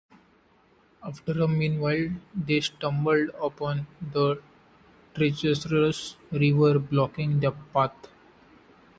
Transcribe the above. After a while, they stumbled upon a treacherous river blocking their path.